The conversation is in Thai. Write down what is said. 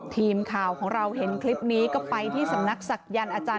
ทีมข่าวของเราเห็นคลิปนี้ก็ไปที่สำนักศักยันต์อาจารย์